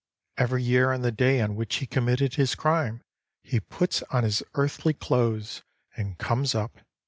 "Every year on the day on which he committed his crime, he puts on his earthly clothes and comes up.